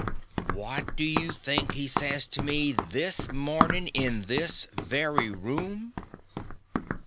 Wot do you think he says to me this mornin' in this very room?